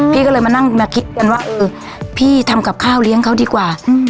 พี่ก็เลยมานั่งมาคิดกันว่าเออพี่ทำกับข้าวเลี้ยงเขาดีกว่า